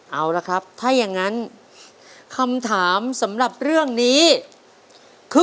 เอาละครับถ้าอย่างนั้นคำถามสำหรับเรื่องนี้คือ